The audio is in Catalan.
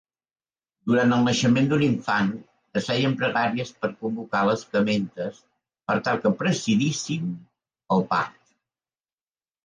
Durant el naixement d'un infant, es feien pregàries per convocar les camentes per tal que presidissin el part.